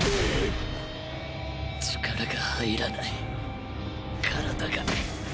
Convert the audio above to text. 力が入らない体が